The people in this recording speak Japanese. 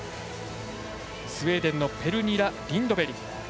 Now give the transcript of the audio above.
スウェーデンのペルニラ・リンドベリ。